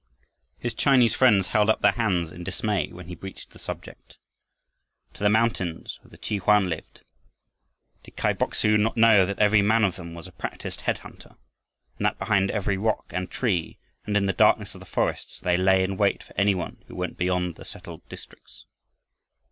His Chinese friends held up their hands in dismay when he broached the subject. To the mountains where the Chhi hoan lived! Did Kai Bok su not know that every man of them was a practised head hunter, and that behind every rock and tree and in the darkness of the forests they lay in wait for any one who went beyond the settled districts?